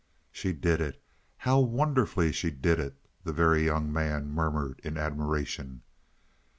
"She did it how wonderfully she did it," the Very Young Man murmured in admiration.